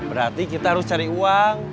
berarti kita harus cari uang